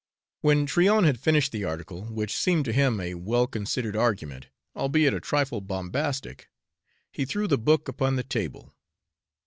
When Tryon had finished the article, which seemed to him a well considered argument, albeit a trifle bombastic, he threw the book upon the table.